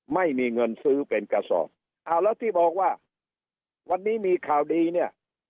ไม่มีเงินซื้อเป็นกระสอบอ้าวแล้วที่บอกว่าวันนี้มีข่าวดีเนี่ย